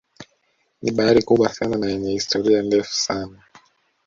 Ni bahari kubwa sana na yenye historia ndefu sana